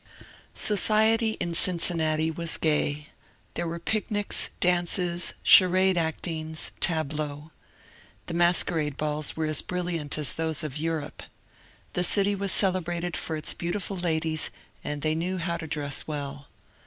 Society in Cincinnati was gay. There were picnics, dances, charade actings, tableaux. The masquerade balls were as brilliant as those of Europe. The city was celebrated for its beautiful ladies, and they knew how to dress well.